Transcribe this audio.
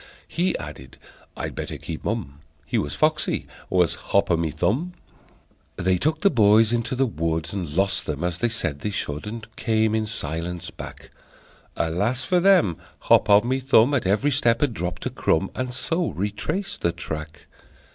He added: "I'd better keep mum." (He was foxy, was Hop O' My Thumb!) They took the boys into the wood, And lost them, as they said they should, And came in silence back. Alas for them! Hop O' My Thumb At every step had dropped a crumb, And so retraced the track.